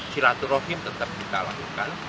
siraturohim tetap kita lakukan